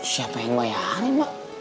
siapa yang bayarin mak